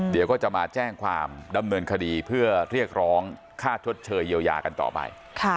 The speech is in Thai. เดี๋ยวก็จะมาแจ้งความดำเนินคดีเพื่อเรียกร้องค่าชดเชยเยียวยากันต่อไป